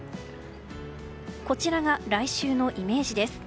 こちらが来週のイメージです。